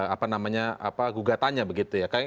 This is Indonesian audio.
apa namanya gugatannya begitu ya